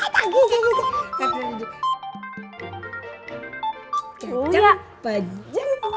janggang panjang yang panjang yang panjang